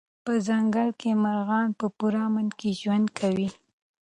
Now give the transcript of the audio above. په ځنګل کې مرغان په پوره امن کې ژوند کوي.